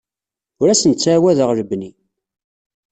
Ur asen-ttɛawadeɣ lebni.